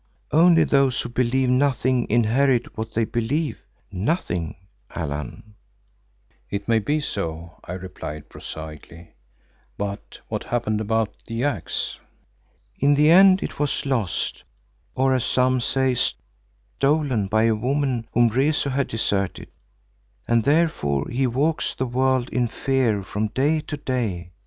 Only those who believe nothing inherit what they believe—nothing, Allan." "It may be so," I replied prosaically, "but what happened about the axe?" "In the end it was lost, or as some say stolen by a woman whom Rezu had deserted, and therefore he walks the world in fear from day to day.